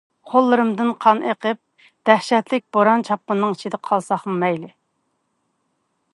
قوللىرىمدىن قان ئېقىپ، دەھشەتلىك بوران-چاپقۇننىڭ ئىچىدە قالساممۇ مەيلى.